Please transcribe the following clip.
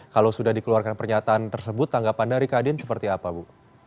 kalau sudah dikeluarkan pernyataan tersebut tanggapan dari kadin seperti apa bu